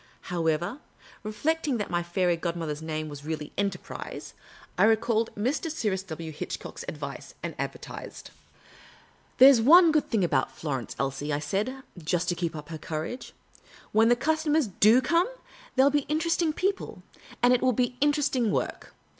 However, reflecting that my fairy godmother's name was really Enterprise, I re called Mr. Cyrus W. Hitchcock's advice, and advertised. The Urbane Old Gentleman 155 " There 's one j^ood thing about Florence, Elsie," I said, just to keep up her courage. '' When the customers do come, they '11 be interesting people, and it will be interesting work.